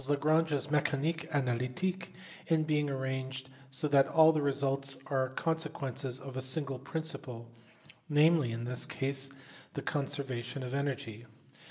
Lagrange s Mecanique analytique in being arranged so that all the results are consequences of a single principle, namely, in this case, the conservation of energy.